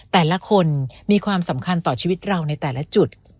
แต่ละคนมีความสำคัญต่อชีวิตเราในแต่ละจุด